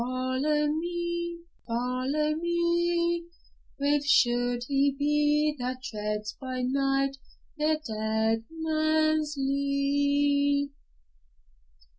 Follow, follow me; Brave should he be That treads by night the dead man's lea.'